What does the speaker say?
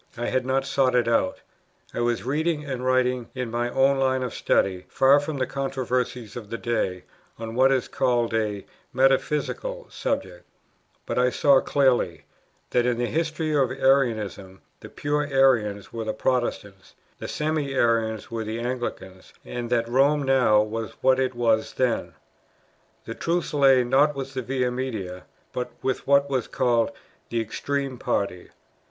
I had not sought it out; I was reading and writing in my own line of study, far from the controversies of the day, on what is called a "metaphysical" subject; but I saw clearly, that in the history of Arianism, the pure Arians were the Protestants, the semi Arians were the Anglicans, and that Rome now was what it was then. The truth lay, not with the Via Media, but with what was called "the extreme party."